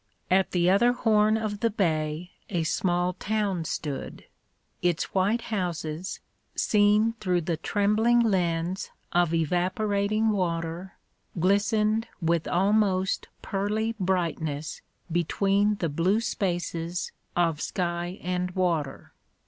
At the other horn of the bay a small town stood; its white houses, seen through the trembling lens of evaporating water, glistened with almost pearly brightness between the blue spaces of sky and water.